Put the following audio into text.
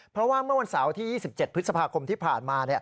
เพราะว่าเมื่อวันเสาร์ที่๒๗พฤษภาคมที่ผ่านมา